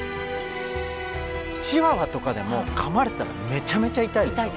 チワワとかでもかまれたらめちゃめちゃ痛いでしょ。